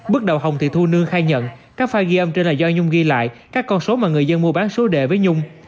bước đầu hồng thị thu nương khai nhận các phao ghi âm trên là do nhung ghi lại các con số mà người dân mua bán số đề với nhung